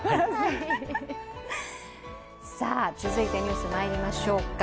続いてニュースにまいりましょうか。